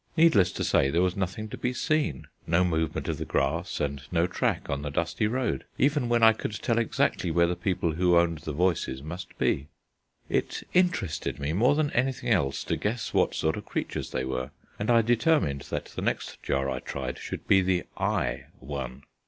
Needless to say, there was nothing to be seen: no movement of the grass and no track on the dusty road, even when I could tell exactly where the people who owned the voices must be. It interested me more than anything else to guess what sort of creatures they were, and I determined that the next jar I tried should be the Eye one.